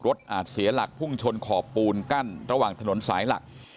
อาจเสียหลักพุ่งชนขอบปูนกั้นระหว่างถนนสายหลัก